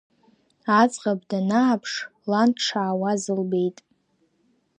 Аӡӷаб данааԥш, лан дшаауаз лбеит.